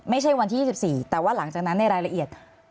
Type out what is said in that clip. ไม่ใช่วันที่๒๔แต่ว่าหลังจากนั้นในรายละเอียด